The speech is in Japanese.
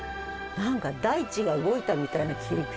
何か大地が動いたみたいな切り口。